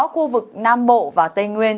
khu vực nam bộ và tây nguyên